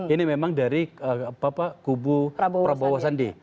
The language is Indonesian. ini memang dari kubu prabowo sandi